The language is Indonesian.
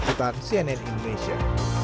demikian sienel indonesia